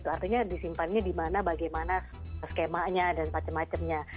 artinya disimpannya di mana bagaimana skemanya dan macam macamnya